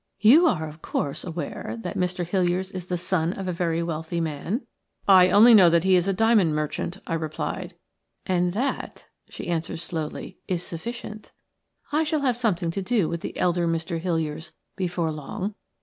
"You are, of course, aware that Mr. Hiliers is the son of a very wealthy man?" "SHE SAT STILL, GAZING INTO THE FLAMES." "I only know that he is a diamond merchant," I replied. "And that," she answered, slowly, "is sufficient. I shall have something to do with the elder Mr. Hiliers before long.